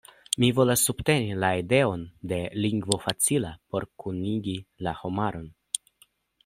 Mi volas subteni la ideon de lingvo facila por kunigi la homaron.